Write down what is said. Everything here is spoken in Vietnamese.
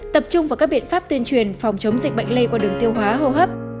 tập trung vào các biện pháp tuyên truyền phòng chống dịch bệnh lây qua đường tiêu hóa hô hấp